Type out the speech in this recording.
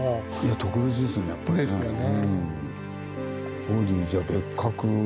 特別ですねやっぱりね。ですね。